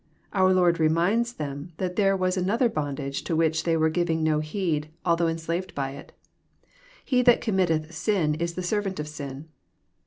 Our Lord reminds them that there was another bondage to which they were giving no heed, although enslaved by it. —^* He that committetb sin is the servant of sin."